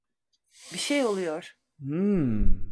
Bir şey oluyor.